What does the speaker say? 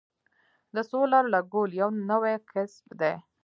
د سولر لګول یو نوی کسب دی